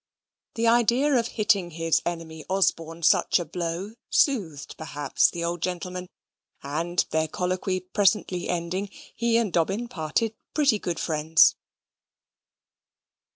The idea of hitting his enemy Osborne such a blow soothed, perhaps, the old gentleman: and, their colloquy presently ending, he and Dobbin parted pretty good friends.